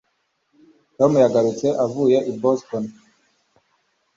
tom yagarutse avuye i boston